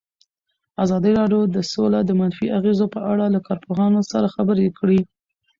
ازادي راډیو د سوله د منفي اغېزو په اړه له کارپوهانو سره خبرې کړي.